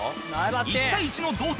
１対１の同点。